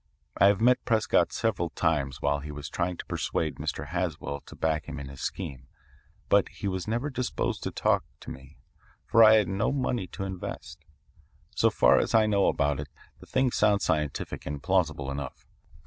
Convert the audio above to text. I have met Prescott several times while he was trying to persuade Mr. Haswell to back him in his scheme, but he was never disposed to talk to me, for I had no money to invest. So far as I know about it the thing sounds scientific and plausible enough.